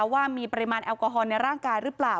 ว่ามีปริมาณแอลกอฮอลในร่างกายหรือเปล่า